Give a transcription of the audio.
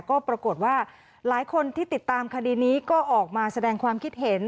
ก็ปรากฏว่าหลายคนที่ติดตามคดีนี้ก็ออกมาแสดงความคิดเห็น